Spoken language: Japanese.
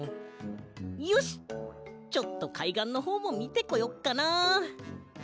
よしちょっとかいがんのほうもみてこよっかな。